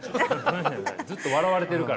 ずっと笑われているから。